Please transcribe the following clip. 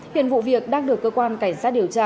hiện vụ việc đang được cơ quan cảnh sát điều tra